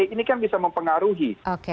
ini kan bisa mempengaruhi